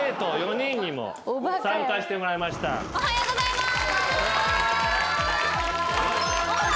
おはようございます。